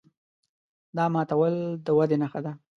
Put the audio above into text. دا ماتول د ودې نښه ده.